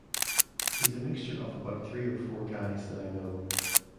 He's a mixture of about three or four guys that I know...